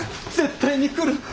絶対に来る。